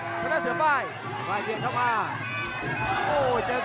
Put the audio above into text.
ต้องบอกว่าคนที่จะโชคกับคุณพลน้อยสภาพร่างกายมาต้องเกินร้อยครับ